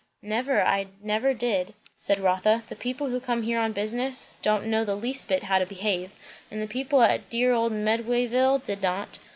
"Never. I never did," said Rotha. "The people who come here on business, don't know the least bit how to behave; and the people at dear old Medwayville did not.